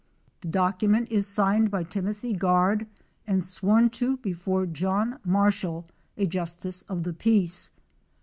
The document is signed by Timothy Guard and sworn to be fore John Marshall, a justice of the peace.